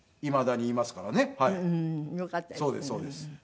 そうですそうです。